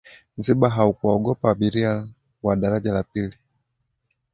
msiba haukuwaogopa abiria wa daraja la pili